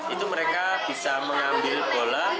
itu mereka bisa mengambil bola